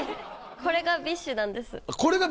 これがＢｉＳＨなんや。